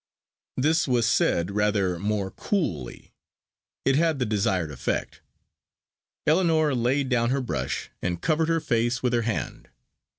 This was said rather more coolly. It had the desired effect. Ellinor laid down her brush, and covered her face with her hand.